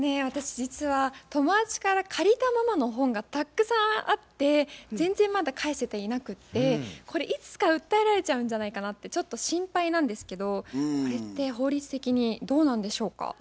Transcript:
私実は友達から借りたままの本がたくさんあって全然まだ返せていなくってこれいつか訴えられちゃうんじゃないかなってちょっと心配なんですけどこれって法律的にどうなんでしょうか？